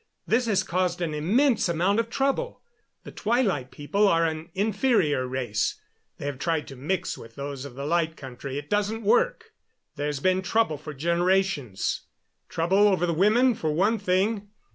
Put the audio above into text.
This has caused an immense amount of trouble. The Twilight People are an inferior race. They have tried to mix with those of the Light Country. It doesn't work. There's been trouble for generations; trouble over the women, for one thing.